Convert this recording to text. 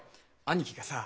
兄貴がさ